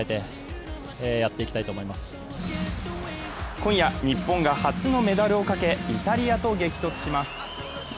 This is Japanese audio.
今夜、日本が初のメダルをかけイタリアと激突します。